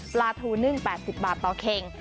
ปลาทูนึ่ง๘๐บาทต่อกิโลกรัม